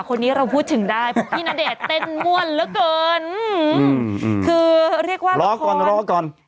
คนนี้เราพูดถึงได้เพราะพี่ณเดชน์เต้นม่วนเหลือเกินคือเรียกว่ารอก่อนรอก่อน